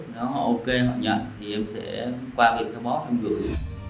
nếu họ ok họ nhận thì em sẽ qua việc thông báo em gửi